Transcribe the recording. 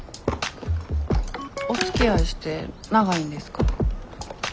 おつきあいして長いんですか？